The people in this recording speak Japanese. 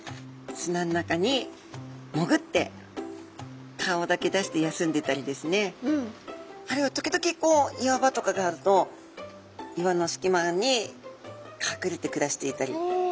砂の中にもぐって顔だけ出して休んでたりですねあるいは時々こう岩場とかがあると岩のすきまにかくれて暮らしていたり。